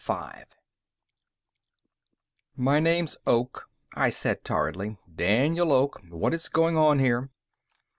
Emergency." "My name's Oak," I said tiredly. "Daniel Oak. What is going on here?"